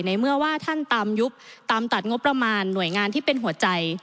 ในเมื่อว่าท่านตามยุบตามตัดงบประมาณหน่วยงานที่เป็นหัวใจ